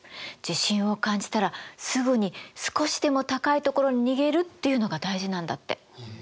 地震を感じたらすぐに少しでも高い所に逃げるっていうのが大事なんだって。